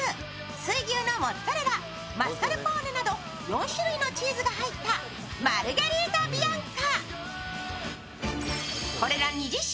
水牛のモッツァレラ、マスカルポーネなど４種類のチーズが入った、マルゲリータビアンカ。